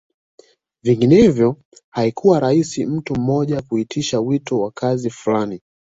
Vinginevyo haikuwa rahisi mtu mmoja kuitisha wito wa kazi fulani